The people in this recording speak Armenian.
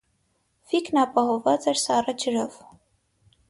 Ֆիկն ապահովված էր սառը ջրով։